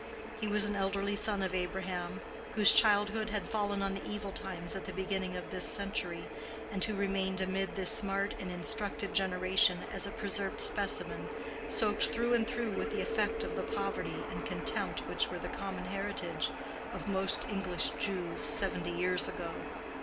He was an elderly son of Abraham, whose childhood had fallen on the evil times at the beginning of this century, and who remained amid this smart and instructed generation as a preserved specimen, soaked through and through with the effect of the poverty and contempt which were the common heritage of most English Jews seventy years ago.